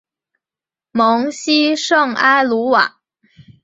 蒙希圣埃卢瓦。